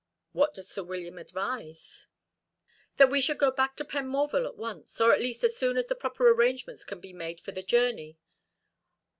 "What does Sir William advise?" "That we should go back to Penmorval at once, or at least as soon as the proper arrangements can be made for the journey.